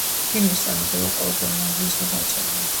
ფილმის წარმატებამ ყოველგვარ მოლოდინს გადააჭარბა.